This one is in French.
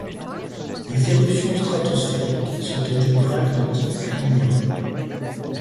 Les éruptions stratosphériques sont en général de type plinien.